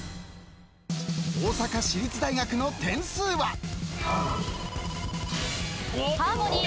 ［大阪市立大学の点数は］